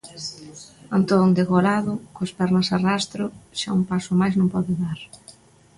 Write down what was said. Antón, degolado, coas pernas arrastro, xa un paso máis non pode dar.